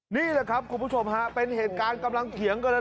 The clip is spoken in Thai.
นี่แหละครับคุณผู้ชมฮะเป็นเหตุการณ์กำลังเถียงกันเลย